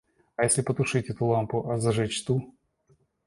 А если потушить эту лампу, а зажечь ту?